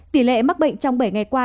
tỷ lệ mắc bệnh trong bảy ngày qua